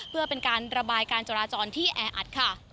เพื่อเป็นการระบายการจราจรที่แออัดค่ะ